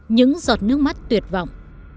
những giọt nước mắt tuyệt vọng